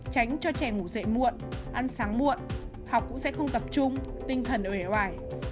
tránh cho trẻ ngủ dậy muộn ăn sáng muộn học cũng sẽ không tập trung tinh thần ế hoài